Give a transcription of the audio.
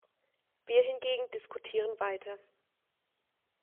Wir hingegen diskutieren weiter.